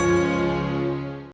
sampai jumpa lagi